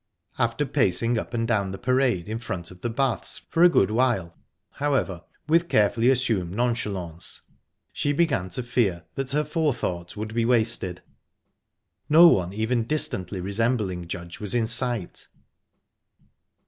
After pacing up and down the parade in front of the Baths for a good while, however, with carefully assumed nonchalance, she began to fear that her forethought would be wasted; no one even distantly resembling Judge was in sight.